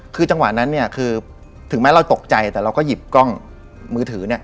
คือจังหวะนั้นถึงแม้เราตกใจแต่เราก็หยิบกล้องมือถือ